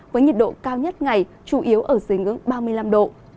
với nhiệt độ cao nhất ngày chủ yếu ở dưới ngưỡng ba mươi năm độ